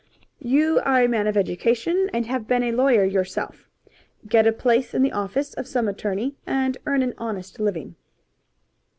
"You are a man of education and have been a lawyer yourself. Get a place in the office of some attorney and earn an honest living."